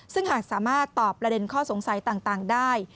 ซึ่งหากสามารถตอบประเด็นข้อสงสัยต่างได้